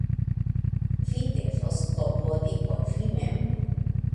Vi devos klopodi por vi mem.